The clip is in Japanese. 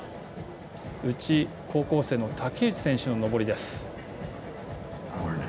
うち高校生の竹内選手の登りです。